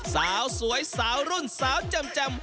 สาวสวยสาวรุ่นสาวแจ่ม